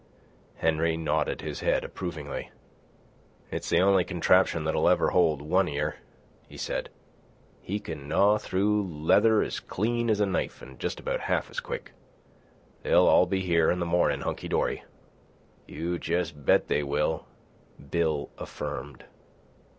Henry nodded his head approvingly. "It's the only contraption that'll ever hold One Ear," he said. "He can gnaw through leather as clean as a knife an' jes' about half as quick. They all'll be here in the mornin' hunkydory." "You jes' bet they will," Bill affirmed.